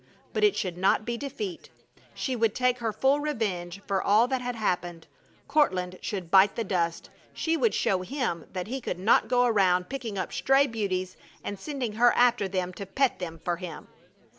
But it should not be defeat! She would take her full revenge for all that had happened! Courtland should bite the dust! She would show him that he could not go around picking up stray beauties and sending her after them to pet them for him.